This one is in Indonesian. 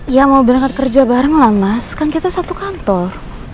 ya mau berangkat kerja bareng lah mas kan kita satu kantor